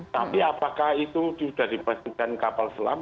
tapi apakah itu sudah dipastikan kapal selam